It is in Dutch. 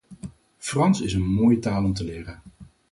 Frans is een mooie taal om te leren.